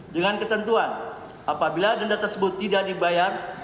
dengan ketentuan apabila denda tersebut tidak dibayar